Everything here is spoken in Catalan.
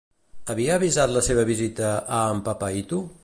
Havia avisat la seva visita a En Pepaito?